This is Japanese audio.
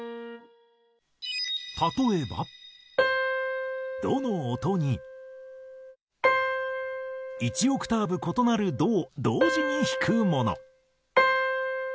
例えば「ド」の音に１オクターブ異なる「ド」を同時に弾くもの。